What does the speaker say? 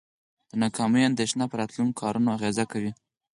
د ناکامۍ اندیښنه په راتلونکو کارونو اغیزه کوي.